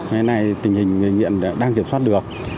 hiện nay tình hình người nghiện đang kiểm soát được